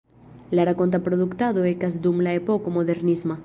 La rakonta produktado ekas dum la epoko modernisma.